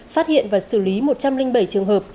phát hiện và xử lý một trăm linh bảy trường hợp